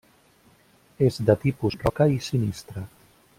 És de tipus roca i sinistre.